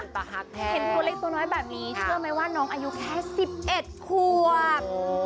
เห็นตัวเล็กตัวน้อยแบบนี้เชื่อไหมว่าน้องอายุแค่๑๑ควบ